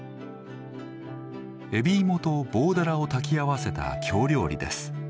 海老芋と棒だらを炊き合わせた京料理です。